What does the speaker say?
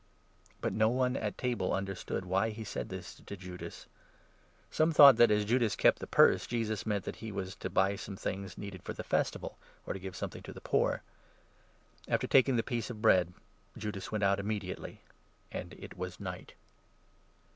But no one at table understood why he said this to J udas. Some 28, thought that, as Judas kept the purse, Jesus meant that he was to buy some things needed for the Festival, or to give some thing to the poor. After taking the piece. <5f bread, Judas 30 went out immediately ; and it was night.